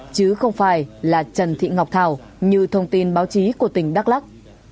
chứ không phải là trần thị ngọc thảo như thông tin báo chí của tỉnh đắk lắc